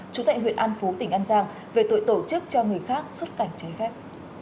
chủ tệ huyện an phú tỉnh an giang về tội tổ chức cho người khác xuất cảnh trái phép